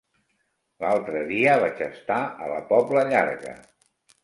L'altre dia vaig estar a la Pobla Llarga.